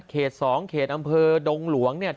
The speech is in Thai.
๒เขตอำเภอดงหลวงเนี่ย